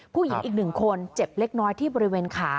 ผู้หญิงอีกหนึ่งคนเจ็บเล็กน้อยที่บริเวณขา